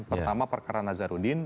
pertama perkara nazarudin